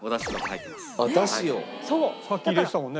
さっき入れてたもんね。